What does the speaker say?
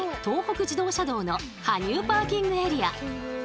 東北自動車道の羽生パーキングエリア。